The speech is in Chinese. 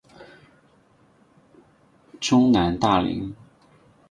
中南大羚。